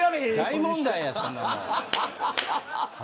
大問題や。